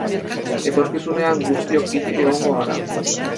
Etorkizunean guztiok hilik egongo gara.